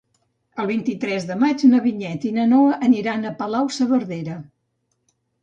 El vint-i-tres de maig na Vinyet i na Noa aniran a Palau-saverdera.